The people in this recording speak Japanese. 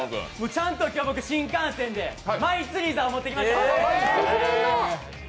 ちゃんと僕今日は新幹線でマイ釣りざおを持ってきました。